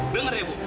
dengar ya bu